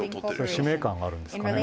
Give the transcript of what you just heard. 使命感があるんですかね。